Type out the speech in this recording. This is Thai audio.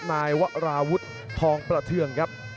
นายวราวุฒิทองประเทืองครับ